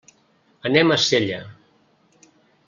Anem a Sella.